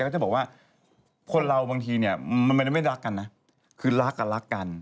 ก็จะบอกว่าคนเราบางทีเนี่ยมันไม่ได้รักกันนะคือรักกับรักกัน